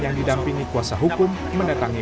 yang didampingi kuasa hukum mendatangi